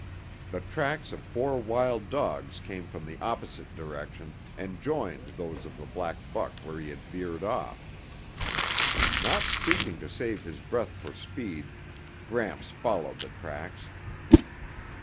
The tracks of four wild dogs came from the opposite direction and joined those of the black buck where he had veered off. Not speaking to save his breath for speed, Gramps followed the tracks.